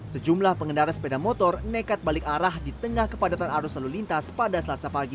sejumlah pengendara sepeda motor nekat balik arah di tengah kepadatan arus lalu lintas pada selasa pagi